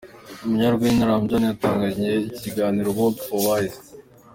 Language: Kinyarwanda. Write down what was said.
Umunyarwenya Ramjaane yatangije ikiganiro Word For Wise.